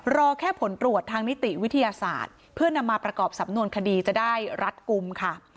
รอแค่ผลตรวจทางนิติวิทยาศาสตร์เพื่อนำมาประกอบสำนวนคดีจะได้รัดกลุ่มค่ะ